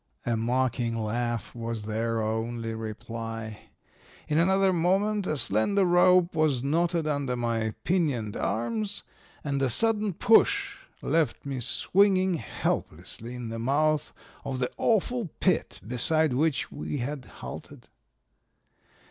"A mocking laugh was their only reply. In another moment a slender rope was knotted under my pinioned arms and a sudden push left me swinging helplessly in the mouth of the awful pit beside which we had halted.